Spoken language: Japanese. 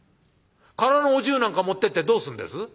「空のお重なんか持ってってどうすんです？」。